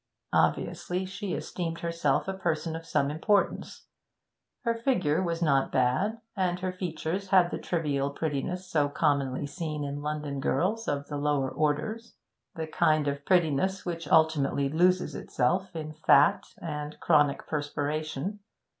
Obviously she esteemed herself a person of some importance. Her figure was not bad, and her features had the trivial prettiness so commonly seen in London girls of the lower orders, the kind of prettiness which ultimately loses itself in fat and chronic perspiration.